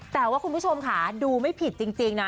แต่ว่าคุณผู้ชมค่ะดูไม่ผิดจริงนะ